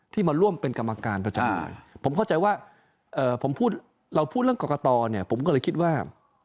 มาร่วมเป็นกรรมการประจำผมเข้าใจว่าผมพูดเราพูดเรื่องกรกตเนี่ยผมก็เลยคิดว่า